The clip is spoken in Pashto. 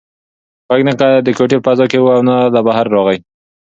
غږ نه د کوټې په فضا کې و او نه له بهره راغی.